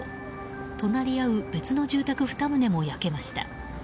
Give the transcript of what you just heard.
隣り合う別の住宅２棟も焼けました。